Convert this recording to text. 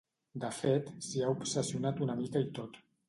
De fet s'hi ha obsessionat una mica i tot.